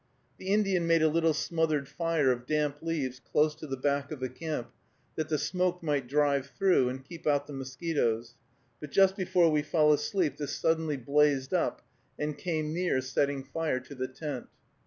The Indian made a little smothered fire of damp leaves close to the back of the camp, that the smoke might drive through and keep out the mosquitoes; but just before we fell asleep this suddenly blazed up, and came near setting fire to the tent.